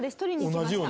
同じように？